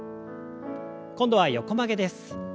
今度は横曲げです。